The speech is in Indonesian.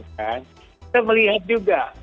kita melihat juga